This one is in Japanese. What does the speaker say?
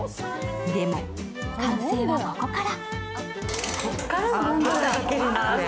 でも完成は、ここから。